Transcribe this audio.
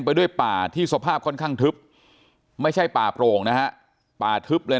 ไปด้วยป่าที่สภาพค่อนข้างทึบไม่ใช่ป่าโปร่งนะฮะป่าทึบเลย